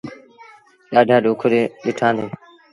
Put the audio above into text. ڏآڍآ ڏُک ڏٺآنديٚ۔